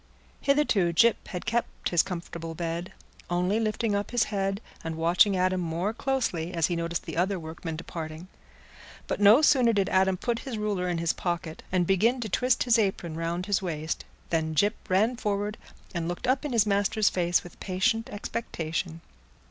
Hitherto Gyp had kept his comfortable bed, only lifting up his head and watching Adam more closely as he noticed the other workmen departing. But no sooner did Adam put his ruler in his pocket, and begin to twist his apron round his waist, than Gyp ran forward and looked up in his master's face with patient expectation.